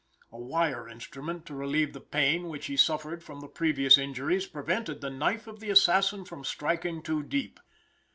A wire instrument, to relieve the pain which he suffered from previous injuries, prevented the knife of the assassin from striking too deep.